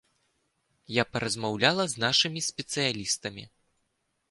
Я паразмаўляла з нашымі спецыялістамі.